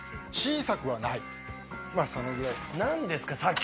まぁそのぐらいです。